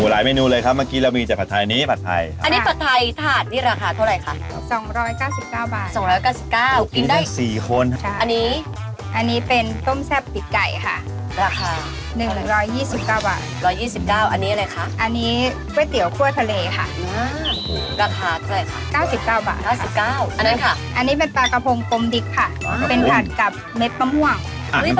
อันนี้เป็นปลากระผมกมดิ๊กค่ะเป็นผัดกับเม็ดมะม่วง